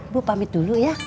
bu pamit dulu ya